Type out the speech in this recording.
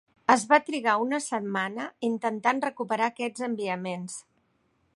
Es va trigar una setmana intentant recuperar aquests enviaments.